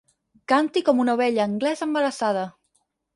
Canti com una ovella anglesa embarassada.